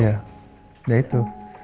ya udah itu